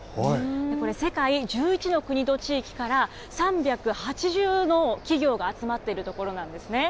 これ、世界１１の国と地域から、３８０の企業が集まっている所なんですね。